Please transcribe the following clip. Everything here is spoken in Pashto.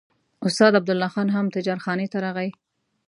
استاد عبدالله خان هم تجارتخانې ته راغی.